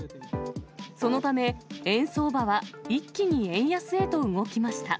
そのため、円相場は一気に円安へと動きました。